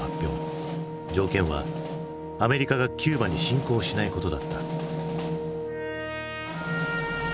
条件はアメリカがキューバに侵攻しないことだった。